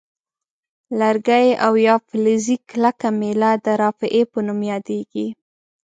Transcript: لرګی او یا فلزي کلکه میله د رافعې په نوم یادیږي.